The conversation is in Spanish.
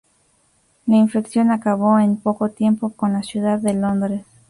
La infección acabó en poco tiempo con la ciudad de Londres.